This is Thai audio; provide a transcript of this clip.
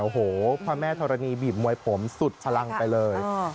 พ่อม่าถารณีบีบมวยผมสุดพลังไปเลย